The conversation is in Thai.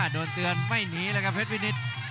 โดนเตือนไม่หนีเลยครับเพชรวินิต